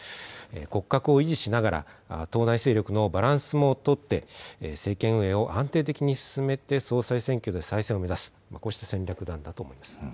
骨格を維持しながら、党内勢力のバランスも取って、政権運営を安定的に進めて、総裁選挙で再選を目指す、こうした戦略なんだと思います。